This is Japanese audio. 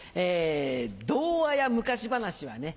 童話や昔話はね